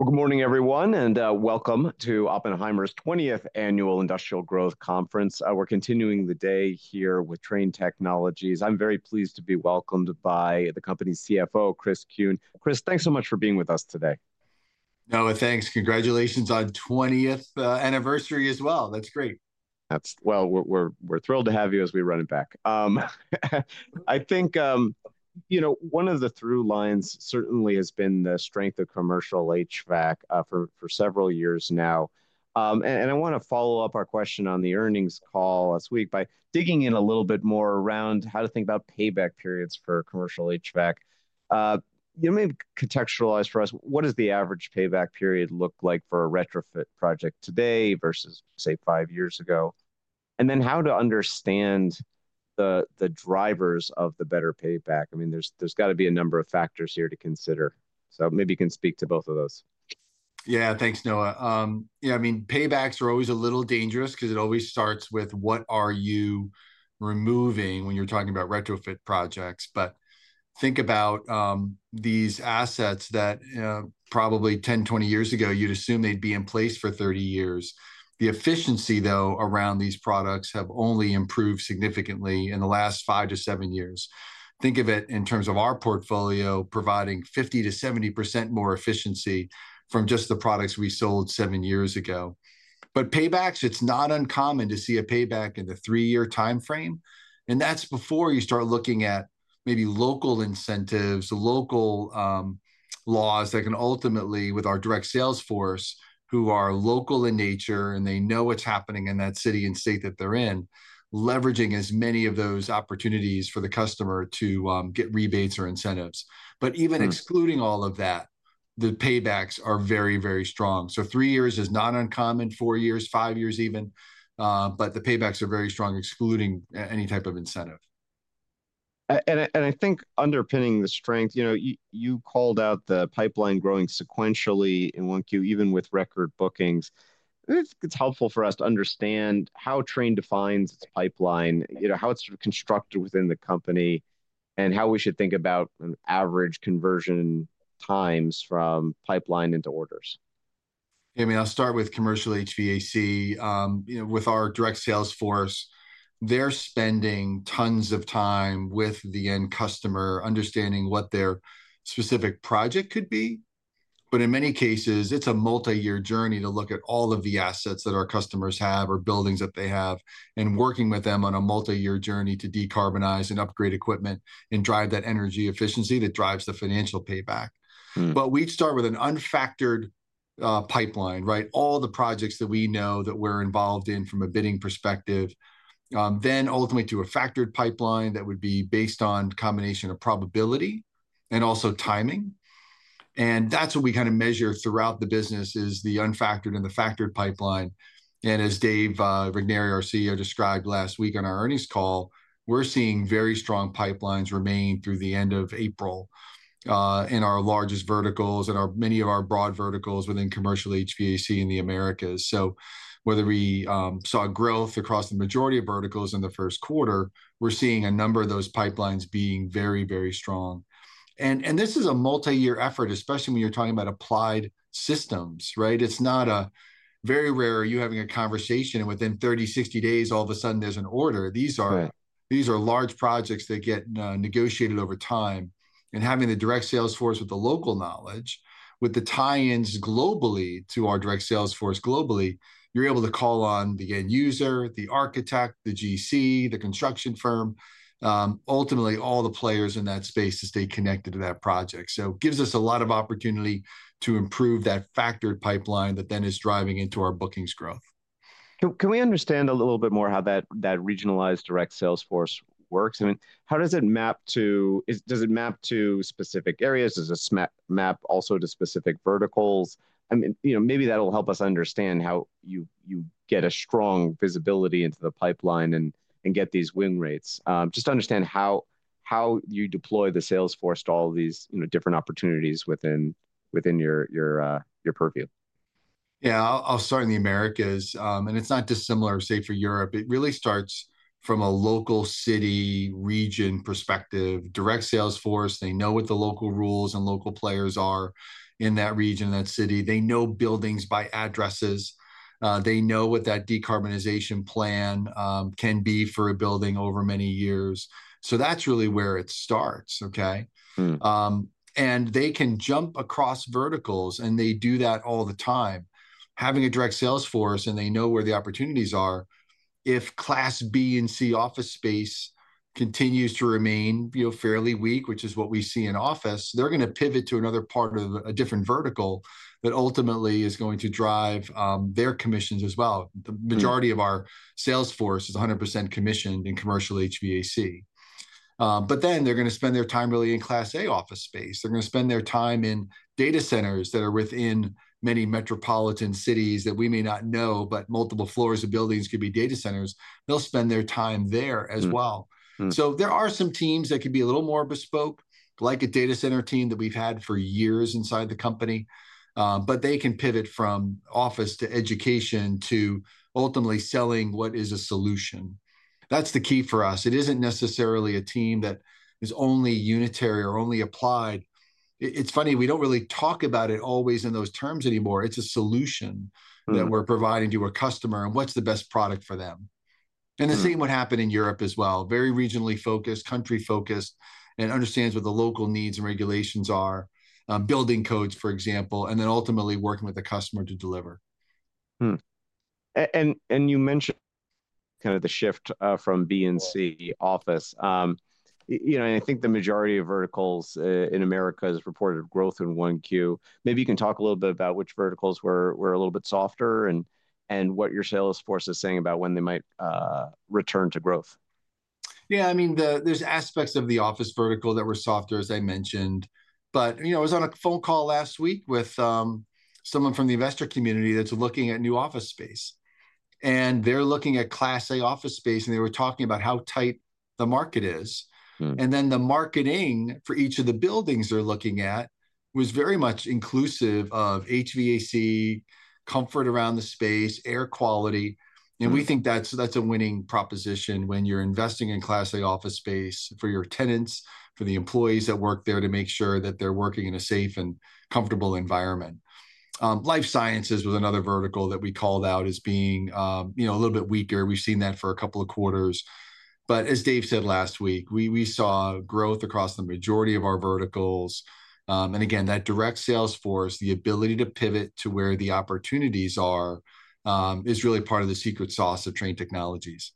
Good morning, everyone, and welcome to Oppenheimer's 20th Annual Industrial Growth Conference. We're continuing the day here with Trane Technologies. I'm very pleased to be welcomed by the company's CFO, Chris Kuehn. Chris, thanks so much for being with us today. Noah, thanks. Congratulations on 20th anniversary as well. That's great. We're thrilled to have you as we run it back. I think, you know, one of the through lines certainly has been the strength of commercial HVAC for several years now. I want to follow up our question on the earnings call last week by digging in a little bit more around how to think about payback periods for commercial HVAC. You may contextualize for us, what does the average payback period look like for a retrofit project today versus, say, five years ago? How to understand the drivers of the better payback. I mean, there's got to be a number of factors here to consider. Maybe you can speak to both of those. Yeah, thanks, Noah. Yeah, I mean, paybacks are always a little dangerous because it always starts with what are you removing when you're talking about retrofit projects. Think about these assets that probably 10, 20 years ago, you'd assume they'd be in place for 30 years. The efficiency, though, around these products has only improved significantly in the last five to seven years. Think of it in terms of our portfolio providing 50-70% more efficiency from just the products we sold seven years ago. Paybacks, it's not uncommon to see a payback in the three-year time frame. That is before you start looking at maybe local incentives, local laws that can ultimately, with our direct sales force, who are local in nature and they know what is happening in that city and state that they are in, leveraging as many of those opportunities for the customer to get rebates or incentives. Even excluding all of that, the paybacks are very, very strong. Three years is not uncommon, four years, five years even. The paybacks are very strong, excluding any type of incentive. I think underpinning the strength, you called out the pipeline growing sequentially in Q1, even with record bookings. It's helpful for us to understand how Trane defines its pipeline, how it's constructed within the company, and how we should think about average conversion times from pipeline into orders. Yeah, I mean, I'll start with commercial HVAC. With our direct sales force, they're spending tons of time with the end customer understanding what their specific project could be. In many cases, it's a multi-year journey to look at all of the assets that our customers have or buildings that they have and working with them on a multi-year journey to decarbonize and upgrade equipment and drive that energy efficiency that drives the financial payback. We'd start with an unfactored pipeline, right? All the projects that we know that we're involved in from a bidding perspective, then ultimately to a factored pipeline that would be based on a combination of probability and also timing. That's what we kind of measure throughout the business is the unfactored and the factored pipeline. As Dave Regnery, our CEO, described last week on our earnings call, we're seeing very strong pipelines remain through the end of April in our largest verticals and many of our broad verticals within commercial HVAC in the Americas. Whether we saw growth across the majority of verticals in the first quarter, we're seeing a number of those pipelines being very, very strong. This is a multi-year effort, especially when you're talking about applied systems, right? It's not very rare you're having a conversation and within 30-60 days, all of a sudden there's an order. These are large projects that get negotiated over time. Having the direct sales force with the local knowledge, with the tie-ins globally to our direct sales force globally, you're able to call on the end user, the architect, the GC, the construction firm, ultimately all the players in that space to stay connected to that project. It gives us a lot of opportunity to improve that factored pipeline that then is driving into our bookings growth. Can we understand a little bit more how that regionalized direct sales force works? I mean, how does it map to, does it map to specific areas? Does it map also to specific verticals? I mean, maybe that'll help us understand how you get a strong visibility into the pipeline and get these win rates. Just to understand how you deploy the sales force to all these different opportunities within your purview. Yeah, I'll start in the Americas. It is not dissimilar, say, for Europe. It really starts from a local city region perspective. Direct sales force, they know what the local rules and local players are in that region, that city. They know buildings by addresses. They know what that decarbonization plan can be for a building over many years. That is really where it starts, okay? They can jump across verticals and they do that all the time. Having a direct sales force and they know where the opportunities are, if Class B and C office space continues to remain fairly weak, which is what we see in office, they are going to pivot to another part of a different vertical that ultimately is going to drive their commissions as well. The majority of our sales force is 100% commissioned in commercial HVAC. They're going to spend their time really in Class A office space. They're going to spend their time in data centers that are within many metropolitan cities that we may not know, but multiple floors of buildings could be data centers. They'll spend their time there as well. There are some teams that could be a little more bespoke, like a data center team that we've had for years inside the company. They can pivot from office to education to ultimately selling what is a solution. That's the key for us. It isn't necessarily a team that is only unitary or only applied. It's funny, we don't really talk about it always in those terms anymore. It's a solution that we're providing to a customer and what's the best product for them. The same would happen in Europe as well. Very regionally focused, country focused, and understands what the local needs and regulations are, building codes, for example, and then ultimately working with the customer to deliver. You mentioned kind of the shift from B and C office. You know, I think the majority of verticals in Americas reported growth in 1Q. Maybe you can talk a little bit about which verticals were a little bit softer and what your sales force is saying about when they might return to growth. Yeah, I mean, there's aspects of the office vertical that were softer, as I mentioned. I was on a phone call last week with someone from the investor community that's looking at new office space. They're looking at Class A office space and they were talking about how tight the market is. The marketing for each of the buildings they're looking at was very much inclusive of HVAC, comfort around the space, air quality. We think that's a winning proposition when you're investing in Class A office space for your tenants, for the employees that work there to make sure that they're working in a safe and comfortable environment. Life sciences was another vertical that we called out as being a little bit weaker. We've seen that for a couple of quarters. As Dave said last week, we saw growth across the majority of our verticals. Again, that direct sales force, the ability to pivot to where the opportunities are, is really part of the secret sauce of Trane Technologies.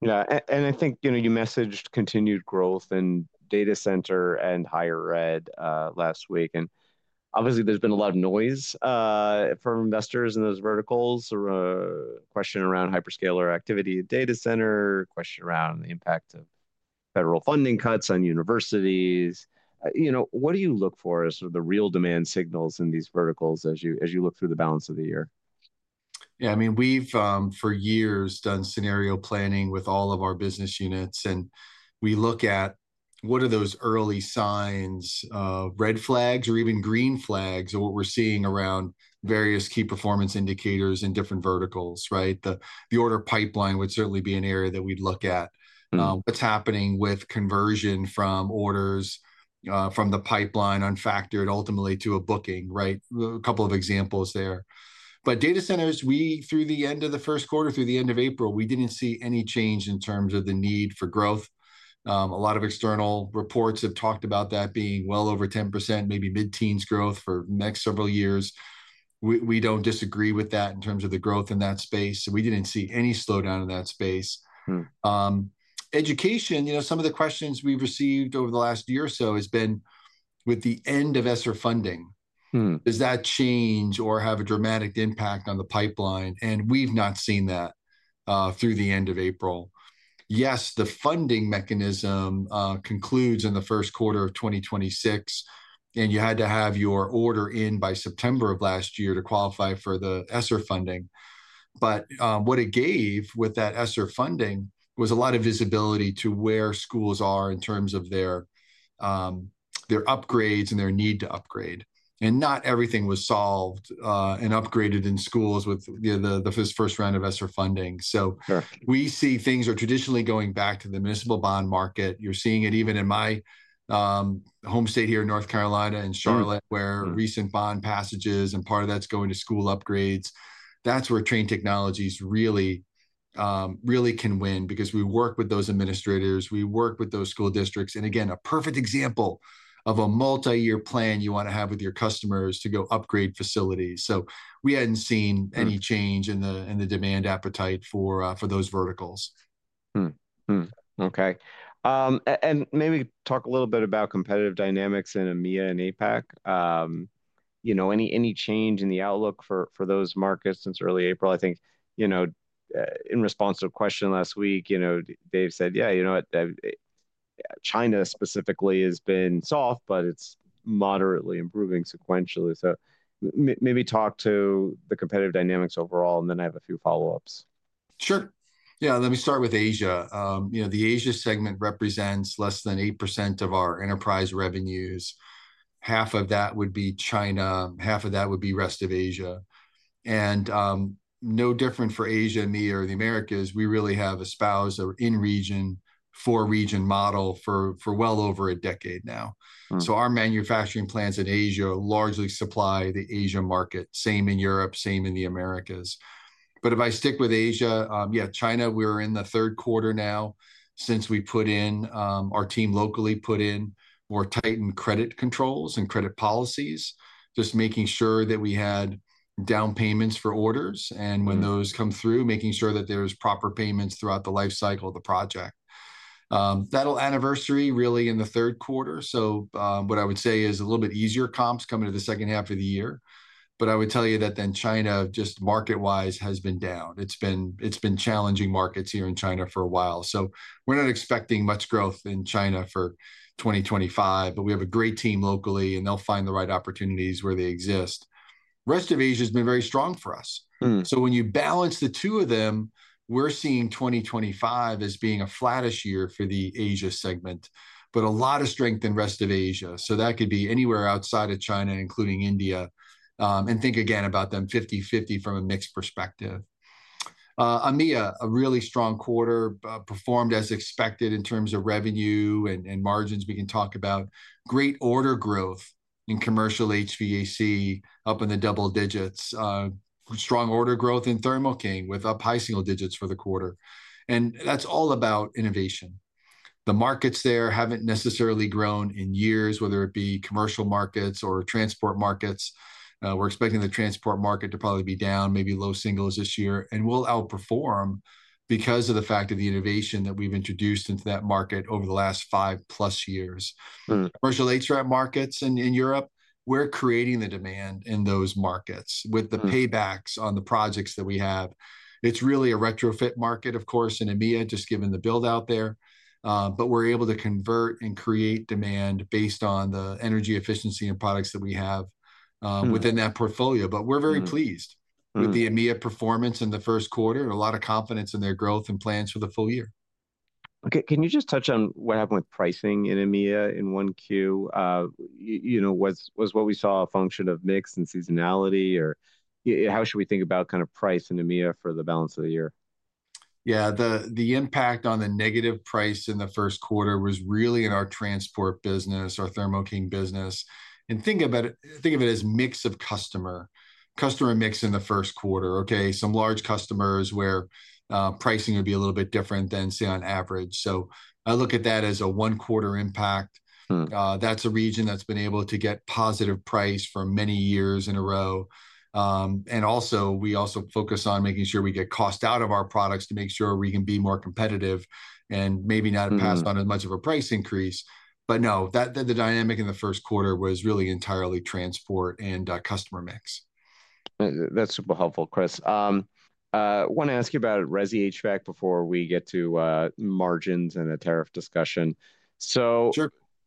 Yeah, I think you messaged continued growth in data center and higher ed last week. Obviously, there's been a lot of noise from investors in those verticals. Question around hyperscaler activity in data center, question around the impact of federal funding cuts on universities. What do you look for as the real demand signals in these verticals as you look through the balance of the year? Yeah, I mean, we've for years done scenario planning with all of our business units. We look at what are those early signs, red flags or even green flags of what we're seeing around various key performance indicators in different verticals, right? The order pipeline would certainly be an area that we'd look at. What's happening with conversion from orders from the pipeline unfactored ultimately to a booking, right? A couple of examples there. Data centers, we, through the end of the first quarter, through the end of April, we didn't see any change in terms of the need for growth. A lot of external reports have talked about that being well over 10%, maybe mid-teens growth for the next several years. We don't disagree with that in terms of the growth in that space. We didn't see any slowdown in that space. Education, you know, some of the questions we've received over the last year or so has been with the end of ESSER funding. Does that change or have a dramatic impact on the pipeline? We've not seen that through the end of April. Yes, the funding mechanism concludes in the first quarter of 2026. You had to have your order in by September of last year to qualify for the ESSER funding. What it gave with that ESSER funding was a lot of visibility to where schools are in terms of their upgrades and their need to upgrade. Not everything was solved and upgraded in schools with the first round of ESSER funding. We see things are traditionally going back to the municipal bond market. You're seeing it even in my home state here in North Carolina and Charlotte, where recent bond passages and part of that's going to school upgrades. That's where Trane Technologies really, really can win because we work with those administrators. We work with those school districts. Again, a perfect example of a multi-year plan you want to have with your customers to go upgrade facilities. We hadn't seen any change in the demand appetite for those verticals. Okay. Maybe talk a little bit about competitive dynamics in EMEA and APAC. You know, any change in the outlook for those markets since early April? I think, you know, in response to a question last week, you know, Dave said, yeah, you know, China specifically has been soft, but it is moderately improving sequentially. Maybe talk to the competitive dynamics overall, and then I have a few follow-ups. Sure. Yeah, let me start with Asia. You know, the Asia segment represents less than 8% of our enterprise revenues. Half of that would be China. Half of that would be rest of Asia. No different for Asia, EMEA, or the Americas. We really have espoused a region-for-region model for well over a decade now. Our manufacturing plants in Asia largely supply the Asia market. Same in Europe, same in the Americas. If I stick with Asia, yeah, China, we're in the third quarter now since we put in, our team locally put in more tightened credit controls and credit policies, just making sure that we had down payments for orders. When those come through, making sure that there's proper payments throughout the life cycle of the project. That'll anniversary really in the third quarter. What I would say is a little bit easier comps coming to the second half of the year. I would tell you that China just market-wise has been down. It's been challenging markets here in China for a while. We're not expecting much growth in China for 2025, but we have a great team locally and they'll find the right opportunities where they exist. Rest of Asia has been very strong for us. When you balance the two of them, we're seeing 2025 as being a flattish year for the Asia segment, but a lot of strength in rest of Asia. That could be anywhere outside of China, including India. Think again about them 50-50 from a mixed perspective. EMEA, a really strong quarter, performed as expected in terms of revenue and margins. We can talk about great order growth in commercial HVAC up in the double digits. Strong order growth in Thermo King with up high single digits for the quarter. That's all about innovation. The markets there haven't necessarily grown in years, whether it be commercial markets or transport markets. We're expecting the transport market to probably be down, maybe low singles this year. We'll outperform because of the fact of the innovation that we've introduced into that market over the last five plus years. Commercial HVAC markets in Europe, we're creating the demand in those markets with the paybacks on the projects that we have. It's really a retrofit market, of course, in EMEA just given the build-out there. We're able to convert and create demand based on the energy efficiency and products that we have within that portfolio. We're very pleased with the EMEA performance in the first quarter and a lot of confidence in their growth and plans for the full year. Okay, can you just touch on what happened with pricing in EMEA in one Q? You know, was what we saw a function of mix and seasonality or how should we think about kind of price in EMEA for the balance of the year? Yeah, the impact on the negative price in the first quarter was really in our transport business, our Thermo King business. Think of it as mix of customer, customer mix in the first quarter, okay? Some large customers where pricing would be a little bit different than, say, on average. I look at that as a one-quarter impact. That's a region that's been able to get positive price for many years in a row. We also focus on making sure we get cost out of our products to make sure we can be more competitive and maybe not pass on as much of a price increase. No, the dynamic in the first quarter was really entirely transport and customer mix. That's super helpful, Chris. I want to ask you about Resi HVAC before we get to margins and the tariff discussion.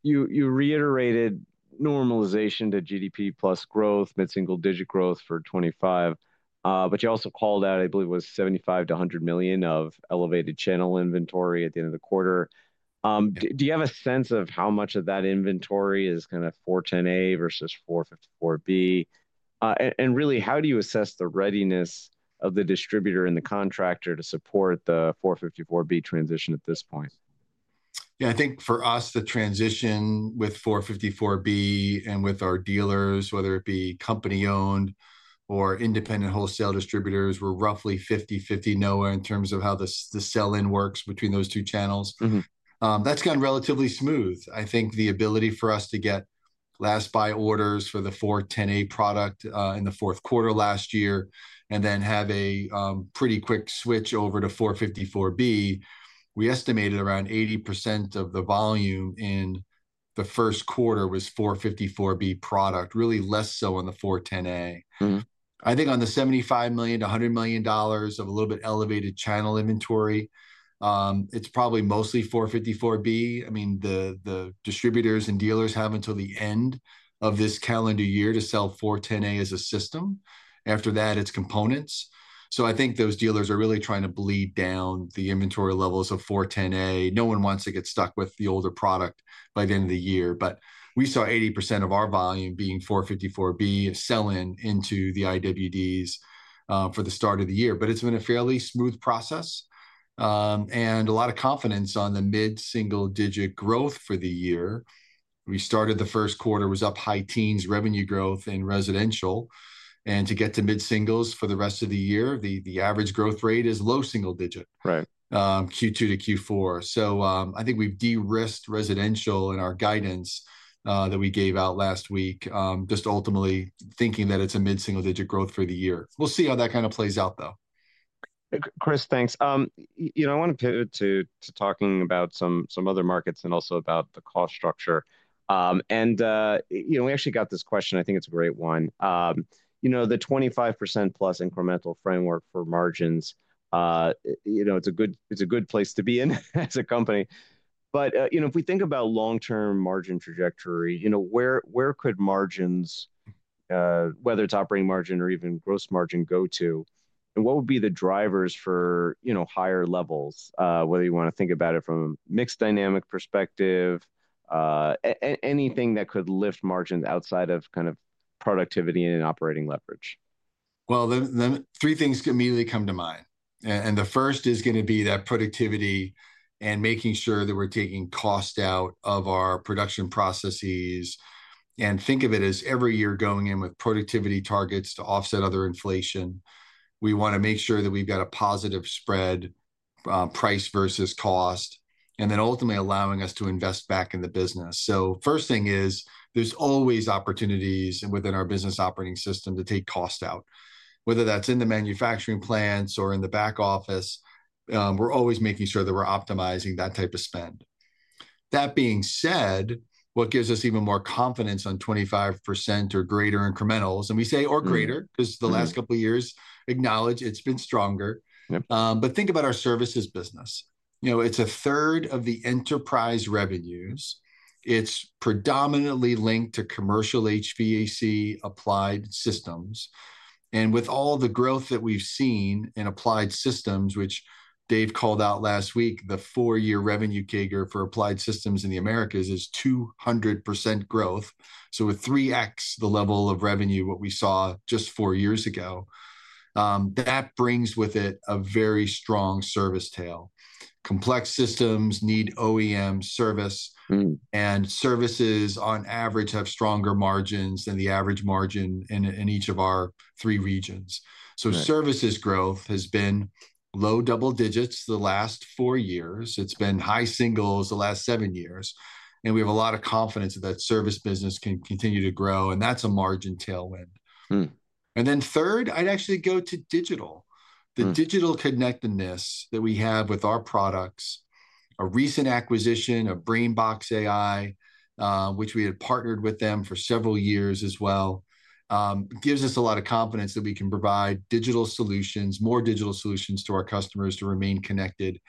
You reiterated normalization to GDP plus growth, mid-single digit growth for 2025. You also called out, I believe it was $75 million-$100 million of elevated channel inventory at the end of the quarter. Do you have a sense of how much of that inventory is kind of R-410A versus R-454B? How do you assess the readiness of the distributor and the contractor to support the 454B transition at this point? Yeah, I think for us, the transition with 454B and with our dealers, whether it be company-owned or independent wholesale distributors, were roughly 50-50, nowhere in terms of how the sell-in works between those two channels. That's gone relatively smooth. I think the ability for us to get last buy orders for the 410A product in the fourth quarter last year and then have a pretty quick switch over to 454B, we estimated around 80% of the volume in the first quarter was 454B product, really less so on the 410A. I think on the $75 million-$100 million of a little bit elevated channel inventory, it's probably mostly 454B. I mean, the distributors and dealers have until the end of this calendar year to sell 410A as a system. After that, it's components. I think those dealers are really trying to bleed down the inventory levels of 410A. No one wants to get stuck with the older product by the end of the year. We saw 80% of our volume being 454B sell-in into the IWDs for the start of the year. It has been a fairly smooth process and a lot of confidence on the mid-single digit growth for the year. We started the first quarter was up high teens revenue growth in residential. To get to mid-singles for the rest of the year, the average growth rate is low single digit Q2 to Q4. I think we have de-risked residential in our guidance that we gave out last week, just ultimately thinking that it is a mid-single digit growth for the year. We will see how that kind of plays out though. Chris, thanks. You know, I want to pivot to talking about some other markets and also about the cost structure. You know, we actually got this question. I think it's a great one. You know, the 25% plus incremental framework for margins, you know, it's a good place to be in as a company. You know, if we think about long-term margin trajectory, you know, where could margins, whether it's operating margin or even gross margin, go to? What would be the drivers for, you know, higher levels, whether you want to think about it from a mixed dynamic perspective, anything that could lift margins outside of kind of productivity and operating leverage? Three things immediately come to mind. The first is going to be that productivity and making sure that we're taking cost out of our production processes. Think of it as every year going in with productivity targets to offset other inflation. We want to make sure that we've got a positive spread, price versus cost, and then ultimately allowing us to invest back in the business. The first thing is there's always opportunities within our Business Operating System to take cost out. Whether that's in the manufacturing plants or in the back office, we're always making sure that we're optimizing that type of spend. That being said, what gives us even more confidence on 25% or greater incrementals, and we say or greater because the last couple of years acknowledge it's been stronger. Think about our services business. You know, it's a third of the enterprise revenues. It's predominantly linked to commercial HVAC applied systems. With all the growth that we've seen in applied systems, which Dave called out last week, the four-year revenue figure for applied systems in the Americas is 200% growth. With 3X the level of revenue what we saw just four years ago, that brings with it a very strong service tail. Complex systems need OEM service. Services on average have stronger margins than the average margin in each of our three regions. Services growth has been low double digits the last four years. It's been high singles the last seven years. We have a lot of confidence that that service business can continue to grow. That's a margin tailwind. Third, I'd actually go to digital. The digital connectedness that we have with our products, a recent acquisition of BrainBox AI, which we had partnered with them for several years as well, gives us a lot of confidence that we can provide digital solutions, more digital solutions to our customers to remain connected.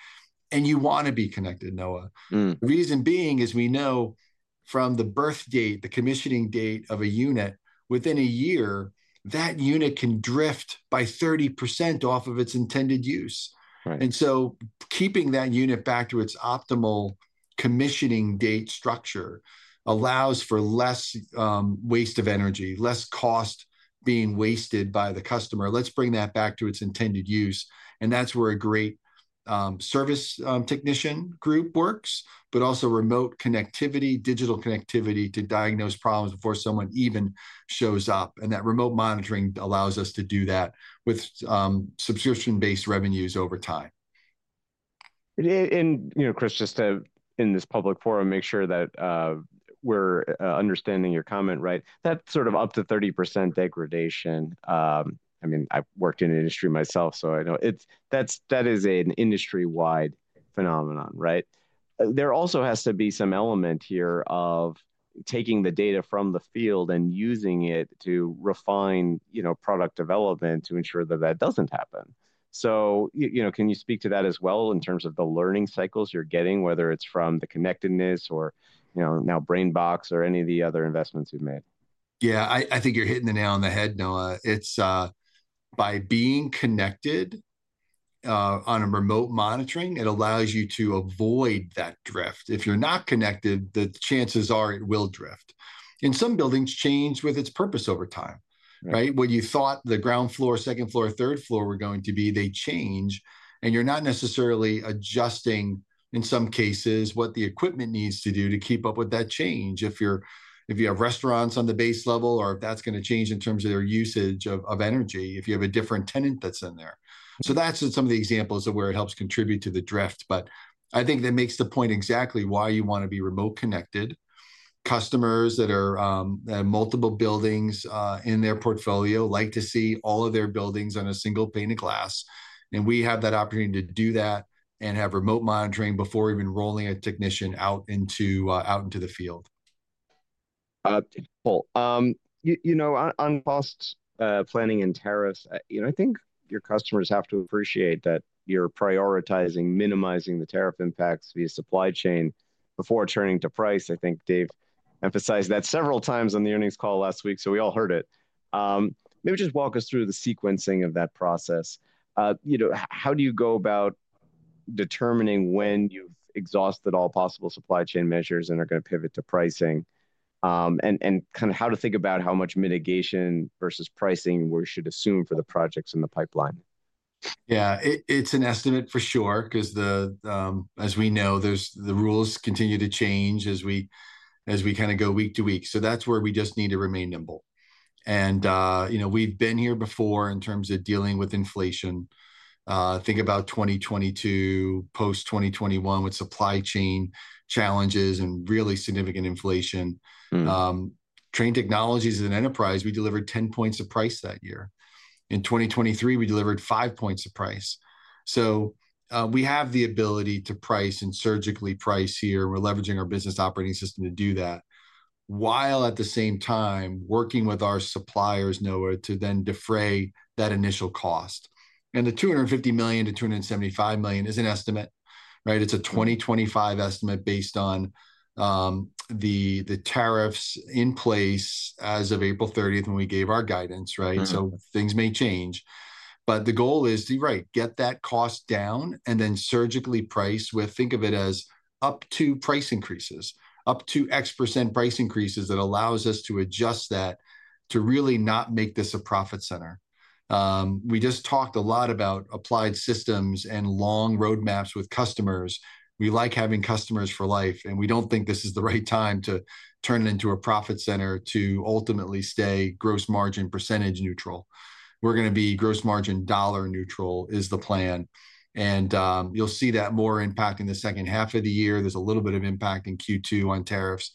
You want to be connected, Noah. The reason being is we know from the birth date, the commissioning date of a unit, within a year, that unit can drift by 30% off of its intended use. Keeping that unit back to its optimal commissioning date structure allows for less waste of energy, less cost being wasted by the customer. Let's bring that back to its intended use. That is where a great service technician group works, but also remote connectivity, digital connectivity to diagnose problems before someone even shows up. That remote monitoring allows us to do that with subscription-based revenues over time. You know, Chris, just to in this public forum, make sure that we're understanding your comment, right? That sort of up to 30% degradation. I mean, I've worked in industry myself, so I know that is an industry-wide phenomenon, right? There also has to be some element here of taking the data from the field and using it to refine, you know, product development to ensure that that doesn't happen. You know, can you speak to that as well in terms of the learning cycles you're getting, whether it's from the connectedness or, you know, now BrainBox or any of the other investments you've made? Yeah, I think you're hitting the nail on the head, Noah. It's by being connected on a remote monitoring, it allows you to avoid that drift. If you're not connected, the chances are it will drift. Some buildings change with its purpose over time, right? What you thought the ground floor, second floor, third floor were going to be, they change. You're not necessarily adjusting in some cases what the equipment needs to do to keep up with that change. If you have restaurants on the base level or if that's going to change in terms of their usage of energy, if you have a different tenant that's in there. That's some of the examples of where it helps contribute to the drift. I think that makes the point exactly why you want to be remote connected. Customers that have multiple buildings in their portfolio like to see all of their buildings on a single pane of glass. We have that opportunity to do that and have remote monitoring before even rolling a technician out into the field. You know, on cost planning and tariffs, you know, I think your customers have to appreciate that you're prioritizing, minimizing the tariff impacts via supply chain before turning to price. I think Dave emphasized that several times on the earnings call last week, so we all heard it. Maybe just walk us through the sequencing of that process. You know, how do you go about determining when you've exhausted all possible supply chain measures and are going to pivot to pricing and kind of how to think about how much mitigation versus pricing we should assume for the projects in the pipeline? Yeah, it's an estimate for sure because as we know, the rules continue to change as we kind of go week to week. That's where we just need to remain nimble. You know, we've been here before in terms of dealing with inflation. Think about 2022, post 2021 with supply chain challenges and really significant inflation. Trane Technologies as an enterprise, we delivered 10 points of price that year. In 2023, we delivered 5 points of price. We have the ability to price and surgically price here. We're leveraging our Business Operating System to do that while at the same time working with our suppliers, Noah, to then defray that initial cost. The $250 million-$275 million is an estimate, right? It's a 2025 estimate based on the tariffs in place as of April 30th when we gave our guidance, right? Things may change. The goal is to, right, get that cost down and then surgically price with, think of it as up to price increases, up to X% price increases that allows us to adjust that to really not make this a profit center. We just talked a lot about applied systems and long roadmaps with customers. We like having customers for life, and we do not think this is the right time to turn it into a profit center to ultimately stay gross margin percentage neutral. We are going to be gross margin dollar neutral is the plan. You will see that more impact in the second half of the year. There is a little bit of impact in Q2 on tariffs.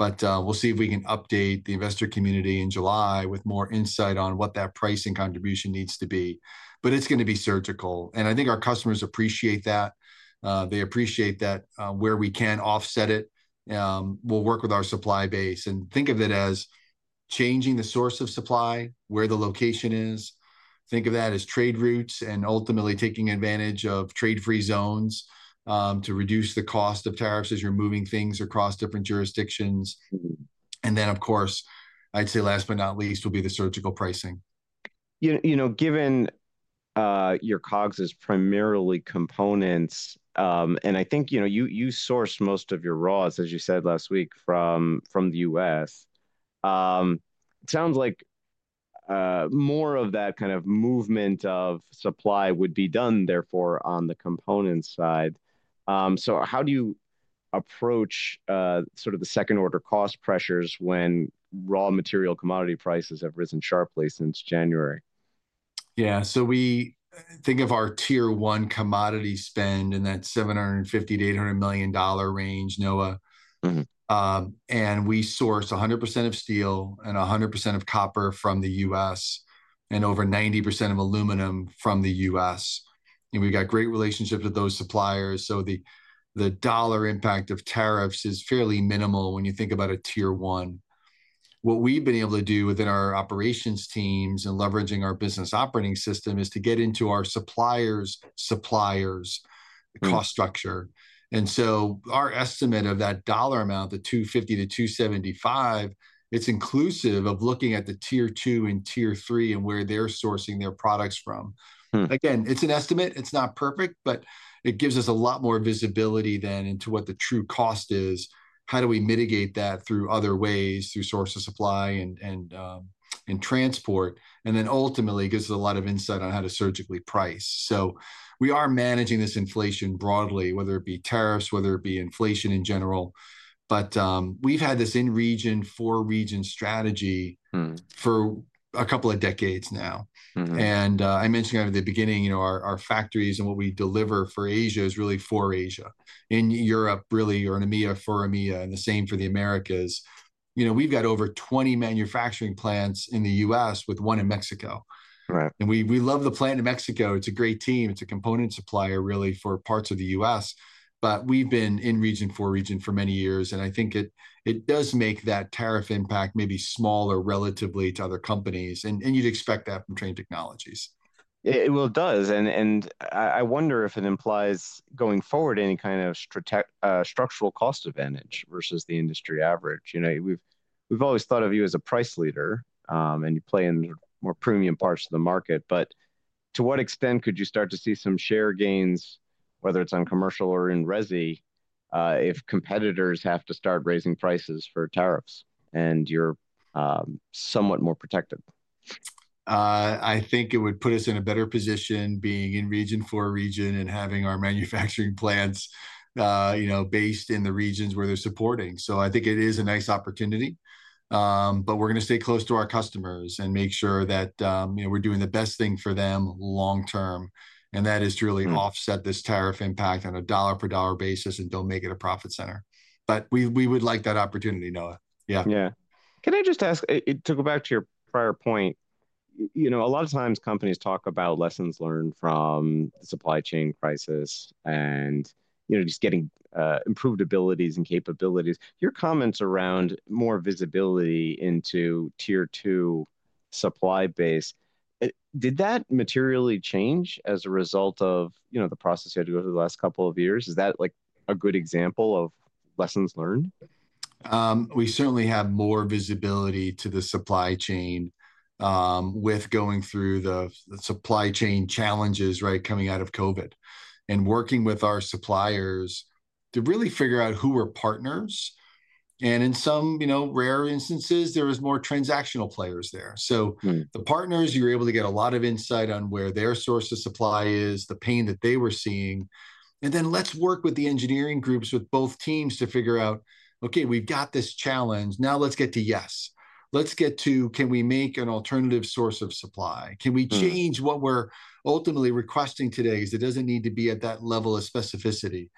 We will see if we can update the investor community in July with more insight on what that pricing contribution needs to be. It is going to be surgical. I think our customers appreciate that. They appreciate that where we can offset it, we'll work with our supply base and think of it as changing the source of supply where the location is. Think of that as trade routes and ultimately taking advantage of trade-free zones to reduce the cost of tariffs as you're moving things across different jurisdictions. Of course, I'd say last but not least will be the surgical pricing. You know, given your COGS is primarily components, and I think, you know, you source most of your raws, as you said last week, from the US, it sounds like more of that kind of movement of supply would be done therefore on the component side. How do you approach sort of the second order cost pressures when raw material commodity prices have risen sharply since January? Yeah, we think of our tier one commodity spend in that $750 million-$800 million range, Noah. We source 100% of steel and 100% of copper from the US and over 90% of aluminum from the US. We have great relationships with those suppliers. The dollar impact of tariffs is fairly minimal when you think about a tier one. What we have been able to do within our operations teams and leveraging our Business Operating System is to get into our suppliers' cost structure. Our estimate of that dollar amount, the $250 million-$275 million, is inclusive of looking at the tier two and tier three and where they are sourcing their products from. Again, it is an estimate. It is not perfect, but it gives us a lot more visibility then into what the true cost is. How do we mitigate that through other ways, through source of supply and transport? It gives us a lot of insight on how to surgically price. We are managing this inflation broadly, whether it be tariffs, whether it be inflation in general. We have had this in-region, for-region strategy for a couple of decades now. I mentioned at the beginning, you know, our factories and what we deliver for Asia is really for Asia. In Europe, really, or in EMEA, for EMEA, and the same for the Americas. You know, we have over 20 manufacturing plants in the US with one in Mexico. We love the plant in Mexico. It is a great team. It is a component supplier really for parts of the US. We have been in region, for-region for many years. I think it does make that tariff impact maybe smaller relatively to other companies. You'd expect that from Trane Technologies. It does. I wonder if it implies going forward any kind of structural cost advantage versus the industry average. You know, we've always thought of you as a price leader and you play in more premium parts of the market. To what extent could you start to see some share gains, whether it's on commercial or in resi, if competitors have to start raising prices for tariffs and you're somewhat more protected? I think it would put us in a better position being in region, four region and having our manufacturing plants, you know, based in the regions where they're supporting. I think it is a nice opportunity. We're going to stay close to our customers and make sure that, you know, we're doing the best thing for them long term. That is to really offset this tariff impact on a dollar per dollar basis and do not make it a profit center. We would like that opportunity, Noah. Yeah. Yeah. Can I just ask to go back to your prior point? You know, a lot of times companies talk about lessons learned from the supply chain crisis and, you know, just getting improved abilities and capabilities. Your comments around more visibility into tier two supply base, did that materially change as a result of, you know, the process you had to go through the last couple of years? Is that like a good example of lessons learned? We certainly have more visibility to the supply chain with going through the supply chain challenges, right, coming out of COVID and working with our suppliers to really figure out who were partners. In some, you know, rare instances, there were more transactional players there. The partners, you're able to get a lot of insight on where their source of supply is, the pain that they were seeing. Let's work with the engineering groups with both teams to figure out, okay, we've got this challenge. Now let's get to yes. Let's get to, can we make an alternative source of supply? Can we change what we're ultimately requesting today? It doesn't need to be at that level of specificity.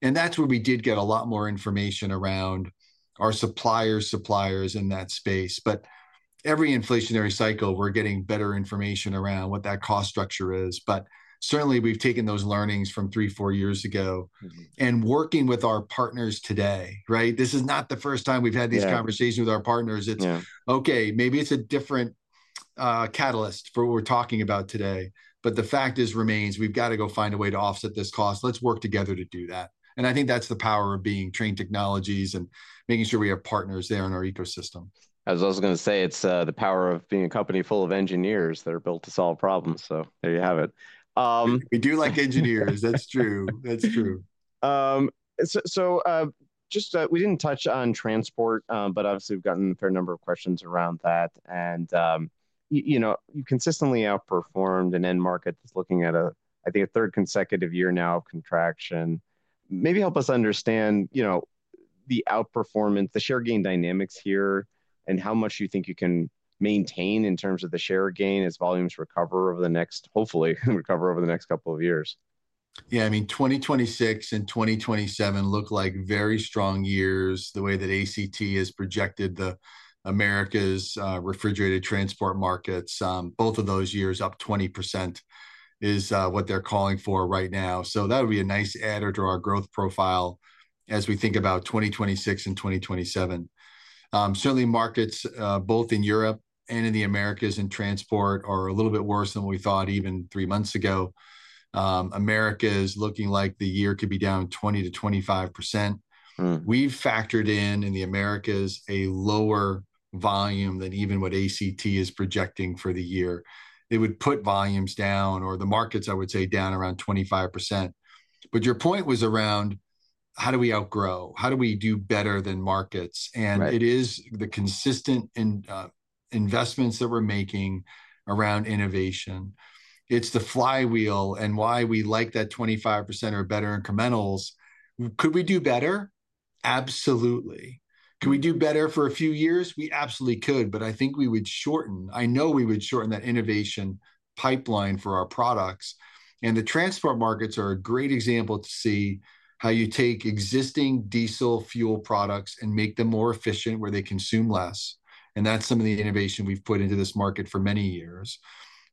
That's where we did get a lot more information around our suppliers, suppliers in that space. Every inflationary cycle, we're getting better information around what that cost structure is. Certainly, we've taken those learnings from three, four years ago and working with our partners today, right? This is not the first time we've had these conversations with our partners. It's, okay, maybe it's a different catalyst for what we're talking about today. The fact remains, we've got to go find a way to offset this cost. Let's work together to do that. I think that's the power of being Trane Technologies and making sure we have partners there in our ecosystem. I was also going to say it's the power of being a company full of engineers that are built to solve problems. There you have it. We do like engineers. That's true. That's true. We did not touch on transport, but obviously we have gotten a fair number of questions around that. You know, you consistently outperformed an end market that is looking at, I think, a third consecutive year now of contraction. Maybe help us understand, you know, the outperformance, the share gain dynamics here and how much you think you can maintain in terms of the share gain as volumes recover over the next, hopefully recover over the next couple of years. Yeah, I mean, 2026 and 2027 look like very strong years the way that ACT has projected the Americas refrigerated transport markets. Both of those years up 20% is what they're calling for right now. That would be a nice add to our growth profile as we think about 2026 and 2027. Certainly, markets both in Europe and in the Americas in transport are a little bit worse than we thought even three months ago. Americas is looking like the year could be down 20-25%. We've factored in in the Americas a lower volume than even what ACT is projecting for the year. It would put volumes down or the markets, I would say, down around 25%. Your point was around how do we outgrow? How do we do better than markets? It is the consistent investments that we're making around innovation. It's the flywheel and why we like that 25% or better incrementals. Could we do better? Absolutely. Could we do better for a few years? We absolutely could. I think we would shorten, I know we would shorten that innovation pipeline for our products. The transport markets are a great example to see how you take existing diesel fuel products and make them more efficient where they consume less. That's some of the innovation we've put into this market for many years.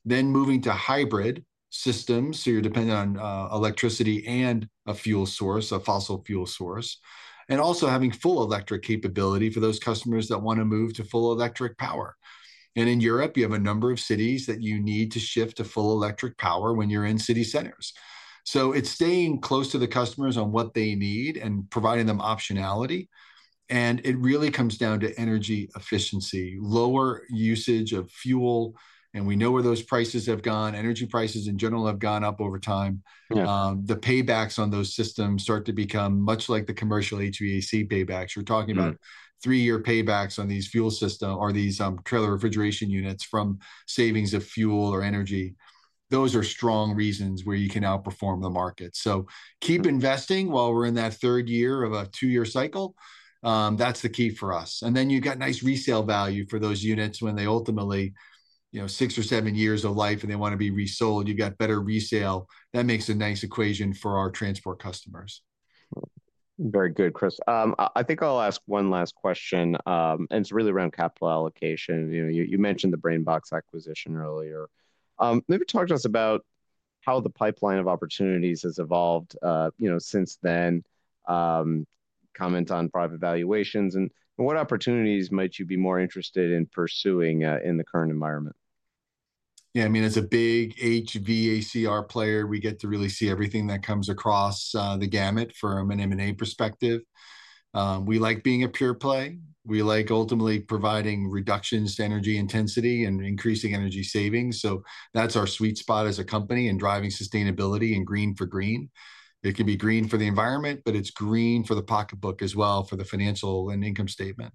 Moving to hybrid systems, you're depending on electricity and a fuel source, a fossil fuel source, and also having full electric capability for those customers that want to move to full electric power. In Europe, you have a number of cities that you need to shift to full electric power when you're in city centers. It is staying close to the customers on what they need and providing them optionality. It really comes down to energy efficiency, lower usage of fuel. We know where those prices have gone. Energy prices in general have gone up over time. The paybacks on those systems start to become much like the commercial HVAC paybacks. You are talking about three-year paybacks on these fuel systems or these trailer refrigeration units from savings of fuel or energy. Those are strong reasons where you can outperform the market. Keep investing while we are in that third year of a two-year cycle. That is the key for us. You have nice resale value for those units when they ultimately, you know, six or seven years of life and they want to be resold. You have better resale. That makes a nice equation for our transport customers. Very good, Chris. I think I'll ask one last question. It's really around capital allocation. You mentioned the BrainBox AI acquisition earlier. Maybe talk to us about how the pipeline of opportunities has evolved, you know, since then. Comment on private valuations and what opportunities might you be more interested in pursuing in the current environment? Yeah, I mean, as a big HVAC player, we get to really see everything that comes across the gamut from an M&A perspective. We like being a pure play. We like ultimately providing reductions to energy intensity and increasing energy savings. That is our sweet spot as a company in driving sustainability and green for green. It can be green for the environment, but it is green for the pocketbook as well for the financial and income statement.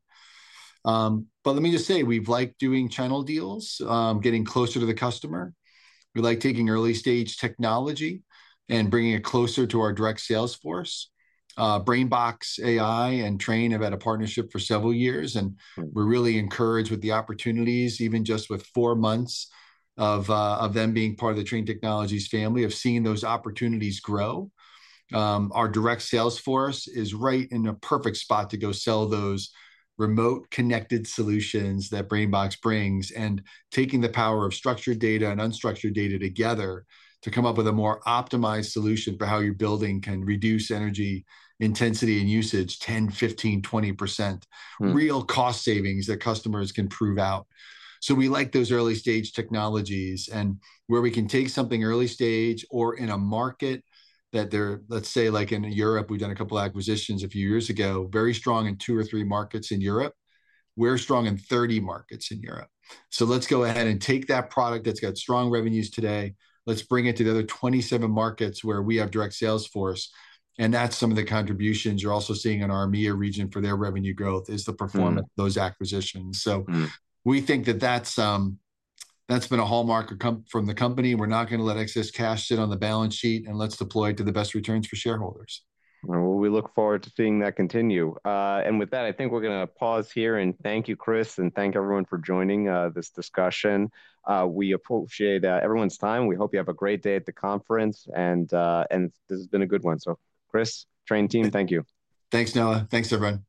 Let me just say we have liked doing channel deals, getting closer to the customer. We like taking early stage technology and bringing it closer to our direct sales force. BrainBox AI and Trane have had a partnership for several years. We are really encouraged with the opportunities, even just with four months of them being part of the Trane Technologies family, of seeing those opportunities grow. Our direct sales force is right in a perfect spot to go sell those remote connected solutions that BrainBox AI brings and taking the power of structured data and unstructured data together to come up with a more optimized solution for how your building can reduce energy intensity and usage 10%, 15%, 20%, real cost savings that customers can prove out. We like those early stage technologies and where we can take something early stage or in a market that they're, let's say, like in Europe, we've done a couple of acquisitions a few years ago, very strong in two or three markets in Europe. We're strong in 30 markets in Europe. Let's go ahead and take that product that's got strong revenues today. Let's bring it to the other 27 markets where we have direct sales force. That is some of the contributions you are also seeing in our EMEA region for their revenue growth is the performance of those acquisitions. We think that has been a hallmark from the company. We are not going to let excess cash sit on the balance sheet and let us deploy it to the best returns for shareholders. We look forward to seeing that continue. With that, I think we are going to pause here and thank you, Chris, and thank everyone for joining this discussion. We appreciate everyone's time. We hope you have a great day at the conference. This has been a good one. Chris, Trane team, thank you. Thanks, Noah. Thanks everyone.